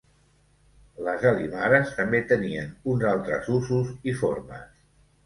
Les alimares també tenien uns altres usos i formes.